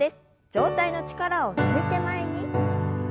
上体の力を抜いて前に。